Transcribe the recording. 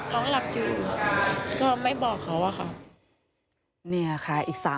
น้องหายแล้วน้องจะตามมา